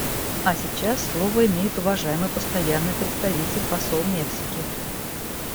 А сейчас слово имеет уважаемый Постоянный представитель посол Мексики.